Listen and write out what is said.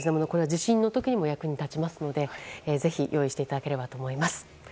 地震の時にも役立ちますのでぜひ用意していただければと思います。